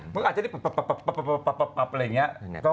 ก็อาจจะทิปปปอะไรอย่างเงี้ย